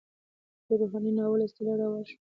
د روحاني ناول اصطلاح رواج شوه.